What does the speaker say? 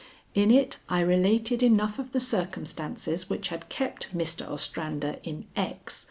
In it I related enough of the circumstances which had kept Mr. Ostrander in X.